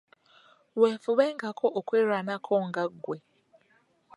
Weefubengako okwerwanako nga ggwe.